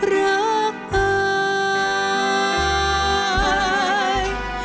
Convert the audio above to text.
รักอาย